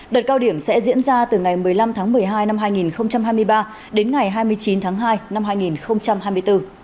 đợt cao điểm sẽ diễn ra từ ngày một mươi năm tháng một mươi hai năm hai nghìn hai mươi ba đến ngày hai mươi chín tháng hai năm hai nghìn hai mươi bốn